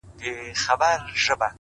o په تهمتونو کي بلا غمونو،